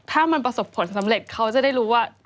ถ้ามันประสบผลสำเร็จเขาจะได้รู้ว่า